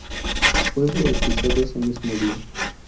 Fue bautizado ese mismo día.